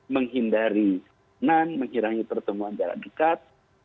menghindari nan menghirangi pertemuan jarak dekat